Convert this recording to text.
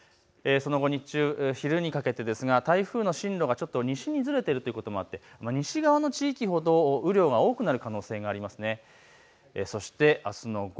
その後、日中、昼にかけて台風の進路がちょっと西にずれているということもあって西側の地域ほど雨量が多くなる可能性があります。